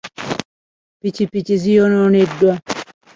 Ppikipiki ziyonooneddwa.